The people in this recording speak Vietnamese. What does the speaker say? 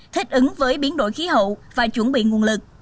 thích ứng với biến đổi khí hậu và chuẩn bị nguồn lực